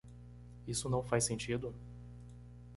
Isso não faz sentido?